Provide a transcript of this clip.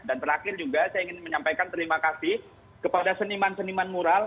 dan terakhir juga saya ingin menyampaikan terima kasih kepada seniman seniman moral